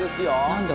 何だ？